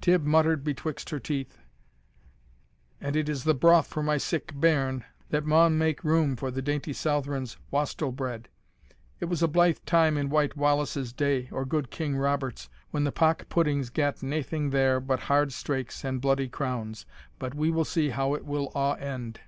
Tibb muttered betwixt her teeth "And it is the broth for my sick bairn, that maun make room for the dainty Southron's wastel bread. It was a blithe time in Wight Wallace's day, or good King Robert's, when the pock puddings gat naething here but hard straiks and bloody crowns. But we will see how it will a' end."